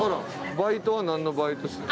バイトはなんのバイトしてる？